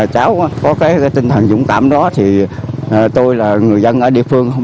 cháu có tinh thần dũng cảm đó tôi là người dân ở địa phương